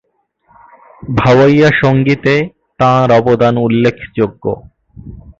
ভাওয়াইয়া সঙ্গীতে তাঁর অবদান উল্লেখযোগ্য।